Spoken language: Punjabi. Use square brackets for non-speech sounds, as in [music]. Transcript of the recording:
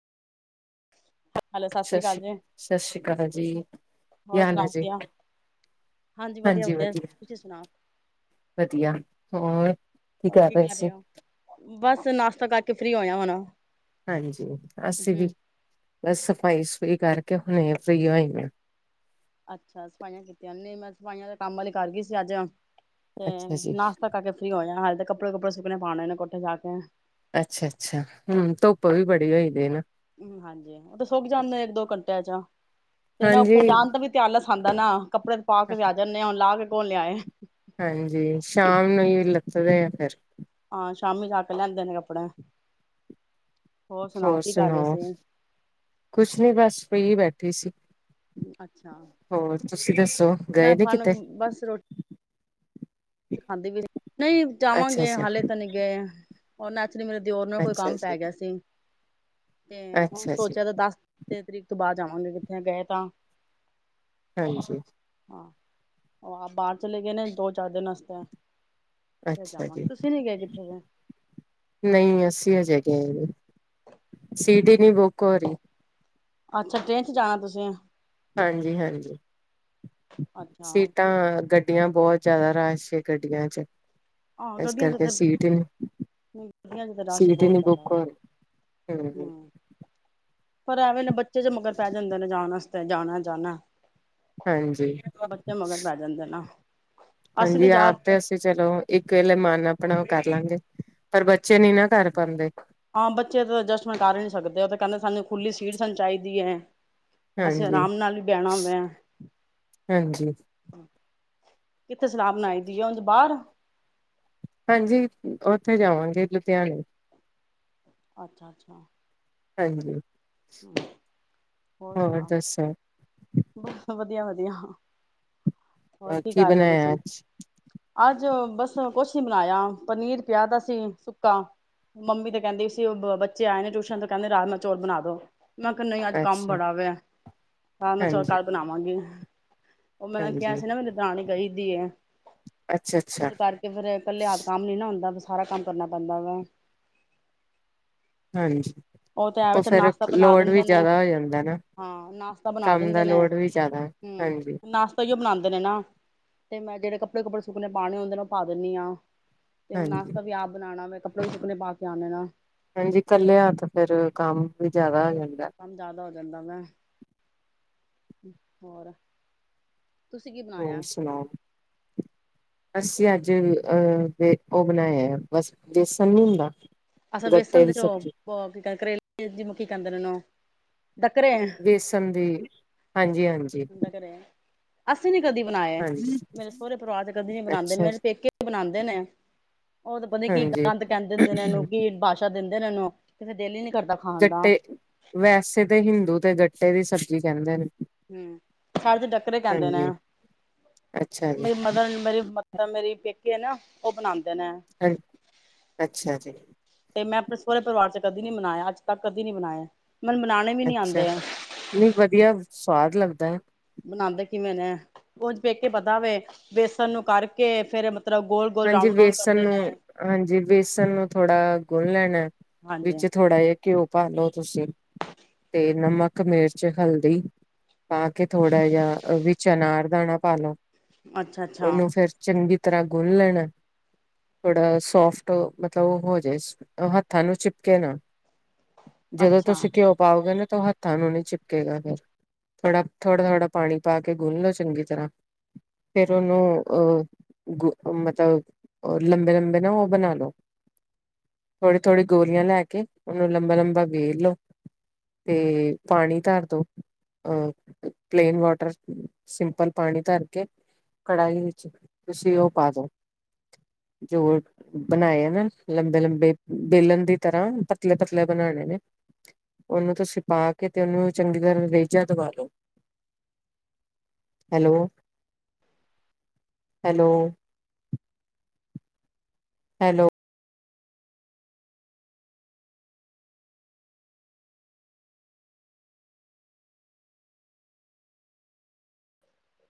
ਹੈਲੋ ਸਤਿ ਅਕਾਲ ਸ੍ਰੀ ਜੀ ਸਤਿ ਸ੍ਰੀ ਅਕਾਲ ਜੀ ਕੀ ਹੋਰ ਹਾਲ ਨੇ ਸੁਣਾਓ ਜੀ ਵਧੀਆ ਹਾਂਜੀ ਵਧੀਆ ਵਧੀਆ ਹੋਰ ਹੋਰ ਕੀ ਕਰ ਰਿਹੇ ਹੋ ਬਸ ਨਾਸ਼ਤਾ ਕਰਕੇ ਤੇ ਫਰੀ ਹੋਏ ਹੋਣਾ ਹਾਂਜੀ ਅਸੀਂ ਵੀ ਬ ਸਫ਼ਾਈ ਸ ਰੀ ਕਰਕੇ ਹੁਣੇ ਫ੍ਰੀ ਹੋਈ ਨੇ ਅੱਛਾ ਸਫਾਈਆਂ ਕੀਤੀਆਂ ਨਹੀਂ ਮੈਂ ਸਫ਼ਾਈਆਂ ਦਾ ਕੰਮ ਵਾਲੀ ਕਰ ਗਈ ਸੀ ਅੱਜ ਤੇ ਅੱਛਾ ਜੀ ਨਾਸ਼ਤਾ ਕਰਕੇ ਫ੍ਰੀ ਹੋ ਜਾ ਹਾਲ ਤੇ ਕੱ ਪੜ ਕਪੜ ਸੁੱਕਣੇੇ ਪਾਣਾਨਾਂ ਕੁਟ ਚ ਜਾਾ ਕੇ ਅੱਛਾ ਅੱਛਾ ਹਮ ਧੁੱਪ ਵੀ ਬੜੀ ਹੋਈਦੀ ਨਾ ਹਾਂਜੀ ਉਹ ਤੇ ਸੁੱਕ ਜਾਂਦੇ ਇੱਕ ਦੋ ਘੰਟਿਆਂ ਚ ਤੇ ਨਾ ਹਾਂਜੀ ਉੱਪਰ ਜਾਣ ਦਾ ਵੀ ਧਿਆ ਲਸਉਂਦਾ ਨਾ ਕੱਪੜੇ ਪਾ ਕੇ ਵੀ ਆ ਜਾਂਦੇ ਹ ਹੁਣ ਲਾਹ ਕੇ ਬੋਲਿਆ ਹੈ ਸਦੇ ਫਿਰ ਹਾਂ ਸ਼ਾਮੀ ਜਾ ਕੇ ਲੈਂਦੇ ਨੇ ਕੱਪੜੇ ਹੋਰ ਕੀ ਕਰ ਰਹੇ ਸੁਣਾਓ ਸੀ ਕੁਛ ਨੀ ਬਸ ਫੀ ਬੈਠੀ ਸੀ ਅੱਛਾ ਹੋਰ ਤੁਸੀਂ ਦੱਸੋ ਮੈਂ ਗਏ ਨੇ ਖਾਣ ਕਿਤੇ ਖਾਂਦੀ ਵੀ ਨਹੀਂ ਅੱਛਾ ਜਾਵਾਂਗੇ ਅੱਛਾ ਹਾਲੇ ਤਾਂ ਨਹੀ ਗਏ ਉਹਨਾਂ ਮੇਰੇ ਦਿਓਰ ਨਾਲ ਕੋਈ ਅੱਛਾ ਕੰਮ ਜੀ ਪੈ ਗਿਆ ਸੀ ਤੇ ਹੁਣ ਅੱਛਾ ਜੀ ਸੋਚਿਆ ਤਾਂ ਦਸ ਤੇ ਤਰੀਕ ਤੋਂ ਬਾਅਦ ਜਾਵਾਂਗੇ ਕਿੱਥੇ ਗਏ ਤਾਂ ਹਾਂਜੀ ਹਾਂ ਉਹ ਬਾਹਰ ਚਲੇ ਗਏ ਨੇ ਦੋ ਚਾਰ ਦਿਨ ਕੁੱਤਾ ਅੱਛਾ ਜੀ ਗਏ ਨਹੀਂ ਅੱਸੀ ਹੋ ਜਾਏਗੀ ਤੇ ਸਿਡੀੀ ਨਵ ਉ ਕੋੋਰੀ ਅੱਛਾ ਟ੍ਰੇਨ ਚ ਜਾਣਾ ਤੁਸੀਂ ਹਾਂਜੀ ਹਾਂਜੀ ਅੱਛਾ ਸੀਟਾਂ ਗੱਡੀਆਂ ਬਹੁਤ ਜ਼ਿਆਦਾ ਰਸ਼ ਗੱਡੀਆਂ ਚ ਹਾਂ ਇਸ ਗੱਦੀਆਂ ਚ ਕਰਕੇ ਤੇ ਸੀਟ ਹੀ ਨੀ ਗੱਦੀ ਚ ਤਾਂ ਰਸ਼ ਸੀਟ ਹੀ ਬਹੁਤ ਨੀ ਜ਼ਿਆਦਾ ਬੁੱਕ ਹੋ ਹੈਗਾ ਰਹੀ ਹੂੰ ਹਮ ਪਰ ਐਵੇਂ ਨਾ ਬੱਚੇ ਜੇ ਮਗਰ ਪੈ ਜਾਂਦੇ ਨੇ ਜਾਣ ਵ ਜਾਣਾ ਜਾਣਾ ਹਾਂਜੀ ਬੱਚੇ ਮਗਰ ਪੈ ਜਾਂਦੇ ਨਾ ਅਸੀਂ ਤਾਂ ਹਾਂਜੀ ਆਪ ਜ਼ਿਆਦਾ ਤੇ ਅਸੀਂ ਚਲੋ ਇੱਕ ਕਿਲੇ ਮਨ ਆਪਣਾ ਉਹ ਕਰ ਲਾਂਗੇ ਪਰ ਬੱਚੇ ਨੀ ਨਾ ਕਰ ਪਾਉਂਦੇ ਹਾਂ ਬੱਚੇ ਤਾਂ ਐਡਜਸਟਮੈਂਟ ਕਰ ਨੀ ਸਕਦੇ ਉਹ ਤੇ ਕਹਿੰਦੇ ਸਾਨੂੰ ਖੁੱਲੀ ਸੀਟ ਸਾਨੂੰ ਚਾਹੀਦੀ ਹੈ ਅਸੀਂ ਹਾਂਜੀ ਆਰਾਮ ਨਾਲ ਵੀ ਬਹਿਣਾ ਵ ਵੈਂ ਹਾਂਜੀ ਕਿੱਥੇ ਸਲਾਬ ਬਣਾਈ ਦੀ ਆ ਹਝ ਬਾਹਰ ਹਾਂਜੀ ਉੱਥੇ ਜਾਵਾਂਗੇ ਲੁਧਿਆਣੇ ਅੱਛਾ ਅੱਛਾ ਹਾਂਜੀ ਹੋਰ ਸੁਣਾ ਬ ਵਧੀਆ ਵਧੀਆ ਵਧੀਆਾਂ ਅਹ ਕੀ ਬਣਾਇਆ ਆਜ ਅੱਜ ਬਸ ਕੁਛ ਨ ਬਣਾਇਆ ਪਨੀਰ ਪਿਆ ਦਾ ਸੀ ਸੁੱਕਾ ਮੰਮੀ ਤੇ ਕਹਿੰਦੀ ਸੀ ਉਹ ਬੱਚੇ ਆਏ ਨੇ ਟਿਊਸ਼ਨ ਤੇ ਕਹਿੰਦੇ ਰਾਜਮਹ ਚੌਲ ਬਣਾ ਦੋ ਮੈਂ ਕਿਹਾ ਨਹੀਂ ਅੱਜ ਕੰਮ ਅੱਛਾ ਬੜਾ ਵ ਹਹ ਮੈਂ ਚ ਹਾਂਜੀ ਘਰ ਬਣਾਵਾਂਗੀ ਉਹ ਮੈਂ ਕਿਹਾ ਹਾਂਜੀ ਸੀ ਨਾ ਮੇਨੂੰ ਦਣੇ ਕਹੀ ਦੀ ਹੈ ਅੱਛਾ ਅੱਛਾ ਸ਼ੂਰ ਕਰਕੇ ਫੇਿਰ ਇਕੱਲਿਆਤ ਕੰਮ ਨੀ ਨਾ ਹੁੰਦਾ ਬਸ ਸਾਰਾ ਕੰਮ ਕਰਨਾ ਪੈਂਦਾ ਵ ਹਾਂਜੀ ਉਹ ਤੇ ਇਹ ਵਿੱਚ ਫੇਰ ਨਾਸ਼ਤਾ ਬਣਾ ਲੋਡ ਵੀ ਦਿੰਦੇ ਨੇ ਜ਼ਿਆਦਾ ਹੋ ਜਾਂਦਾ ਨਾ ਹਾਂ ਨਾਸ਼ਤਾ ਬਣਾ ਕੰਮ ਦਾ ਦਿੰਦੇ ਨੇ ਲੋਡ ਵੀ ਜ਼ਿਆਦਾ ਹਮ ਹਾਂਜੀ ਨਾਸ਼ਤਾ ਕਿ ਉਹ ਬਣਾਦੇ ਨਾ ਤੇ ਮੈਂ ਜਿਹੜੇ ਕੱਪੜੇ ਕੱਪੜੇ ਸੁੱਕਨਣੇ ਪਾਉਣੇ ਹੁੰਦੇ ਨੇ ਉਹ ਪਾ ਦਿੰਦੀ ਹਾਂ ਤੇ ਹੁਣ ਆਸ ਹਾਂਜੀ ਤਾਂ ਵੀ ਆਪ ਬਣਾਉਣਾ ਕੱਪੜੇ ਸੁਪੜੇ ਪਾ ਕੇ ਆਉਂਣੇ ਨੇ ਹਾਂਜੀ ਕੱਲਿਆ ਤਾਂ ਫੇਰ ਕੰਮ ਵੀ ਜ਼ਿਆਦਾ ਹੋ ਜਾਂਦਾ ਹਮ ਜਿਆਦਾ ਹੋ ਜਾਂਦਾ ਮੈਂ ਹੋਰ ਤੁਸੀਂ ਕੀ ਬਣਾਇਆ ਅਸੀ ਅੱਜ ਅਹ ਉਹ ਬਣਾਇਆ ਆ ਬਸ ਦੇੇਸਣ ਨੀ ਹੁੰਦਾ ਅਛਾ ਗੱਟੇ ਵੇਸਣ ਦੀ ਦੇ ਚ ਸਬਜ਼ੀ ਕੀ ਕਰ ਕਰੇਲੇ ਕੀ ਕਰਿੰਦੇ ਨੇਨੂੰ ਵੇਸਮ ਦੀ ਹਾਂਜੀ ਹਾਂਜੀ ਡੱਕਰੇ ਅਸੀਂ ਨ ਕਦੀ ਬਣਾਇਏ ਹਾਂਜੀ ਮੇਰੇ ਸਹਰੇ ਪਰਿਵਾਰ ਚ ਕਦੀ ਨੀ ਬਣਾਉਂਦੇ ਅੱਛਾ ਮੇਰੇ ਜੀ ਪੇਕੇ ਹੀ ਬਣਾਉਂਦੇ ਨੇ ਉਹ ਤਾਂ ਪਤਾ ਕੀ ਹਾਂਜੀ ਗੰਦ ਕਹਿੰ ਦਿੰਦੇ ਨੇ ਇਹਨੂੰ ਨਸ਼ਾ ਦਿੰਦੇ ਨੇ ਇਹਨੂੰ ਕਹਿਦੇ ਡੇਲੀ ਨੀ ਕਰਦਾ ਖਾਣ ਦਾ। ਜੱਟੇ ਵੈਸੇ ਤੇ ਹਿੰਦੂ ਤੇ ਜੱ ਜਟੇ ਦੀ ਸਬਜ਼ੀ ਕਹਿੰਦੇ ਨੇ। ਸਾਡੇ ਤੇ ਡੱਕਰੇ ਕਹਿੰਦੇ ਨੇ ਹਾਂਜੀ ਅੱਛਾ ਜੀ ਮੇਰੀ ਮਦਰ ਮੇਰੀ ਮ ਮੇਰੀ ਕਿ ਐ ਨਾ ਉਹ ਬਣਾ ਹਾਏ, ਅੱਛਾ ਜੀ। ਤੇ ਮੈਂ ਆਪਣੇ ਸਹੁਰੇ ਪਰਿਵਾਰ ਚ ਕਦੀ ਨੀ ਬਨਾਇਆ ਅੱਜ ਤੱਕ ਕਦੀ ਨੀ ਬਨਾਇਆ। ਅੱਛਾ ਨਹੀਂ ਵਧੀਆ ਸਵਾਦ ਲੱਗਦਾ। [unintelligible] ਬਣਾਂਦੇ ਕਿਵੇਂ ਨੇ ਉਨਝ ਪੇਕੇ ਪਤਾ ਵੇ ਬੇਸਣ ਨੂੰ ਕਾੜਕੇ ਫੇਰ ਮਤਲਬ ਗੋਲ ਗੋਲ ਹਾਂਜੀ ਰਾਊਂਡ ਰਾਊਂਡ ਵੇਸਣ ਕਰਦੇ ਨੂੰ ਨੇ ਹਾਂਜੀ ਵੇਸਣ ਨੂੰ ਥੋੜ੍ਹਾ ਗੁੰਨ੍ਹ ਲੈਣਾ। ਹਾਂਜੀ ਵਿੱਚ ਥੋੜਾ ਜ ਘਿਓ ਪਾ ਲਓ ਤੁਸੀਂ ਤੇ ਨਮਕ, ਮਿਰਚ, ਹਲਦੀ ਪਾ ਕੇ ਥੋੜ੍ਹਾ ਜਿਹਾ ਵਿੱਚ ਅਨਾਰ ਦਾਣਾ ਪਾ ਲਓ ਅੱਛਾ ਅੱਛਾ ਉਹਨੂੰ ਫੇਰ ਚੰਗੀ ਤਰ੍ਹਾਂ ਗੁੰਨ ਲੈਣਾ ਥੋੜਾ ਸੋਫਟ ਮਤਲਬ ਹੋ ਜਾਏ, ਹੱਥਾਂ ਨੂੰ ਚਿਪਕੇ ਨਾ ਜਦੋਂ ਅੱਛਾ ਤੁਸੀਂ ਘਿਓ ਪਾਓਗੇ ਨਾ ਹੱਥਾਂ ਨੂੰ ਨ ਚਿਪਕੇੇਗਾ ਫੇਰ ਥੋੜਾ- ਥੋੜ੍ਹਾ-ਥੋੜ੍ਹਾ ਪਾਣੀ ਪਾ ਕੇ ਗੁੰਨ ਲਓ ਚੰਗੀ ਤਰ੍ਹਾਂ ਫੇਰ ਉਹਨੂੰ ਅਹ ਗ ਮਤਲਬ ਲੰਬੇ-ਲੰਬੇ ਨਾ ਉਹ ਬਣਾ ਲੋ ਥੋੜੀ-ਥੋੜੀ ਗੋਲੀਆਂ ਲੈ ਕੇ ਉਹਨੂੰ ਲੰਬਾ-ਲੰਬਾ ਵੇਲ ਲੋ ਤੇ ਪਾਣੀ ਧਰ ਦੋ ਅਹ ਪਲੇਨ ਵਾਟਰ ਸਿੰਪਲ ਪਾਣੀ ਧਰ ਕੇ ਕੜਾਹੀ ਵਿੱਚ ਤੁਸੀਂ ਉਹ ਪਾ ਦੋ ਜੋ ਬਣਾਏ ਆ ਨਾ ਲੰਬੇ ਲੰਬੇ ਵੇਲਣ ਦੀ ਤਰ੍ਹਾਂ ਪਤਲੇ-ਪਤਲੇ ਬਣਾਣੇ ਨੇ ਉਹਨੂੰ ਤੁਸੀਂ ਪਾ ਕੇ ਤੇ ਉਹਨੂੰ ਚੰਗੀ ਤਰਾਂ ਰੇਜਾ ਦਵਾ ਲੋ, ਹੈਲੋ-ਹੈਲੋ ਹੈਲੋ